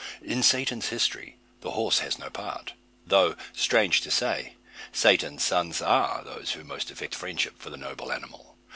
In Satan's history the horse has no part; though, strange to say, Satan's sons are those who most affect friendship for the noble animal.